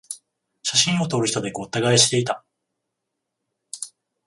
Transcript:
写真を撮る人でごった返していた